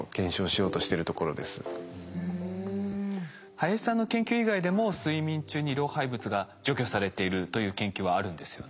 林さんの研究以外でも睡眠中に老廃物が除去されているという研究はあるんですよね。